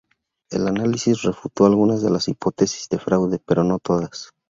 El análisis refutó algunas de las hipótesis de fraude, pero no todas.